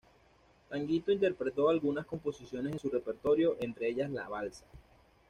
Tanguito interpretó algunas composiciones de su repertorio, entre ellas "La balsa".